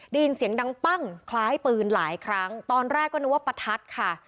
ได้ยินเสียงดังปั้งคล้ายปืนหลายครั้งตอนแรกก็นึกว่าประทัดค่ะ